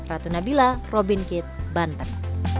ratu nabila robin kitt banten